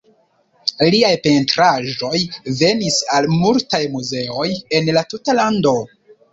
Liaj pentraĵoj venis al multaj muzeoj en la tuta lando.